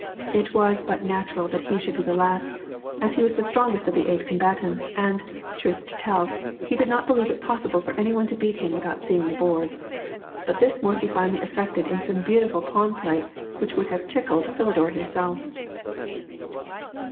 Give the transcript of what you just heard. It was but natural that he should be the last, as he was the strongest of the eight combatants, and, truth to tell, he did not believe it possible for any one to beat him without seeing the board; but this Morphy finally effected in some beautiful pawn play, which would have tickled Philidor himself.